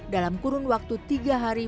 dalam kurun waktu tiga hari